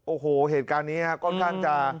โอ้โหเหตุการณ์นี้ค่อนข้างจะ